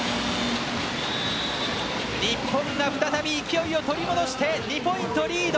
日本が再び勢いを取り戻して２ポイントリード。